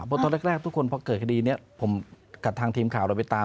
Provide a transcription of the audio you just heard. เพราะตอนแรกทุกคนพอเกิดคดีนี้ผมกับทางทีมข่าวเราไปตาม